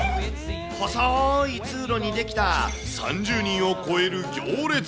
ほそーい通路に出来た３０人を超える行列。